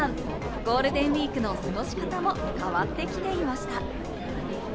ゴールデンウイークの過ごし方も変わってきていました。